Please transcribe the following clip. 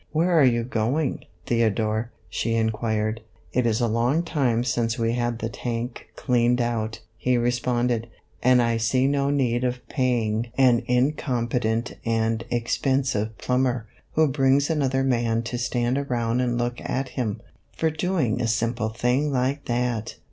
" Where are you going, Theodore ?" she inquired. " It is a long time since we had the tank cleaned out," he responded, " and I see no need of paying .98 MR. HUR&S HOLIDAY. an incompetent and expensive plumber, who brings another man to stand around and look at him, for doing a simple thing like that."